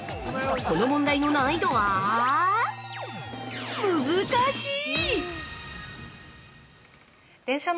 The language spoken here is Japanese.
この問題の難易度は難しい！